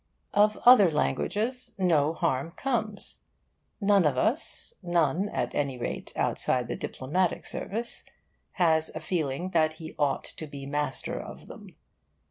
Of other languages no harm comes. None of us none, at any rate, outside the diplomatic service has a feeling that he ought to be master of them.